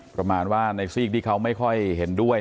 ประมาณว่าในซีกที่เขาไม่ค่อยเห็นด้วย